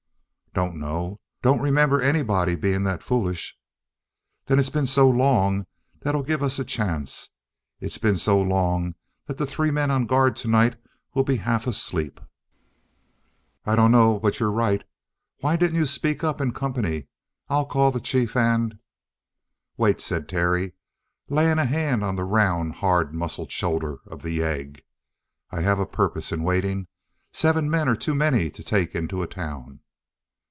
"Dunno. Don't remember anybody being that foolish" "Then it's been so long that it'll give us a chance. It's been so long that the three men on guard tonight will be half asleep." "I dunno but you're right. Why didn't you speak up in company? I'll call the chief and " "Wait," said Terry, laying a hand on the round, hard muscled shoulder of the yegg. "I had a purpose in waiting. Seven men are too many to take into a town."